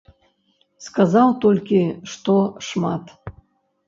Сказаў толькі, што шмат.